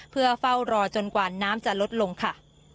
เพื่อเฝ้ารอจนกว่าน้ำจะลดลงค่ะ